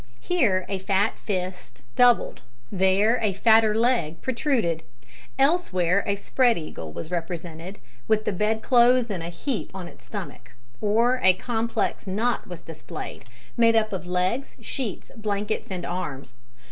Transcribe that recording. Here a fat fist, doubled; there a fatter leg, protruded; elsewhere a spread eagle was represented, with the bedclothes in a heap on its stomach; or a complex knot was displayed, made up of legs, sheets, blankets, and arms.